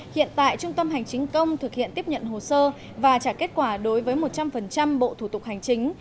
hiện tại trung tâm hành chính công thực hiện tiếp nhận hồ sơ và trả kết quả đối với một trăm linh bộ thủ tục hành chính